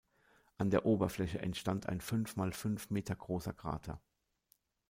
An der Oberfläche entstand ein fünf mal fünf Meter großer Krater.